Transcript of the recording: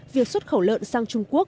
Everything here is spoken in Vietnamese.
việc xuất khẩu lợn sang trung quốc